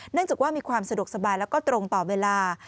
จากว่ามีความสะดวกสบายแล้วก็ตรงต่อเวลา